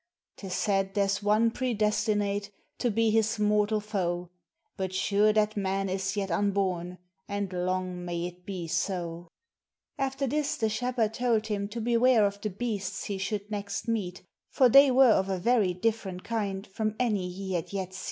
'Tis said there's one predestinate To be his mortal foe ; But sure that man is yet unborn, And long may it be so !" After this the shepherd told him to beware of the beasts he should next meet, for they were of a very difi^erent kind from any he had yet seen.